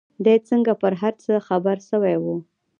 دى څنگه پر هر څه خبر سوى و.